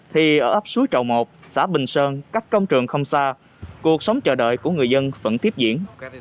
thì ở ấp suối trầu một xã bình sơn cách trong trường không xa cuộc sống chờ đợi của người dân vẫn tiếp diễn